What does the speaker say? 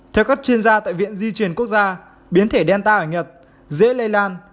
theo các chuyên gia tại viện di chuyển quốc gia biến thể delta ở nhật dễ lây lan